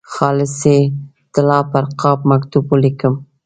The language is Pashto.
خالصې طلا پر قاب مکتوب ولیکم.